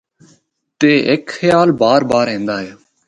تے ہک خیال بار بار ایندا ہے۔